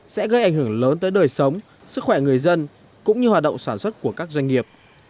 sẽ gây ảnh hưởng lớn tới đời sống sức khỏe người dân cũng như hoạt động sản xuất của các doanh nghiệp